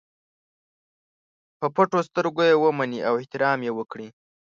په پټو سترګو یې ومني او احترام یې وکړي.